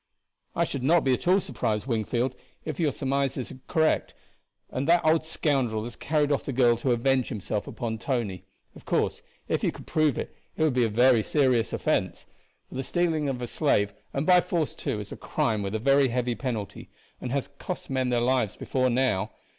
"I should not be at all surprised, Wingfield, if your surmises are correct, and that old scoundrel has carried off the girl to avenge himself upon Tony. Of course, if you could prove it, it would be a very serious offense; for the stealing a slave, and by force too, is a crime with a very heavy penalty, and has cost men their lives before now.